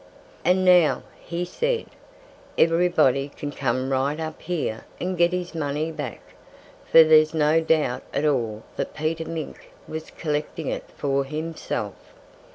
"And now," he said, "everybody can come right up here and get his money back, for there's no doubt at all that Peter Mink was collecting it for himself.